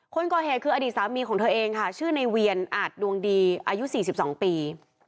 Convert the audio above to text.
คนก่อเหตุคืออดีตสามีของเธอเองค่ะชื่อในเวียนอาจดวงดีอายุ๔๒ปี